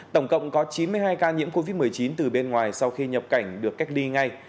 tổng cộng có chín mươi hai ca nhiễm covid một mươi chín từ bên ngoài sau khi nhập cảnh được cách ly ngay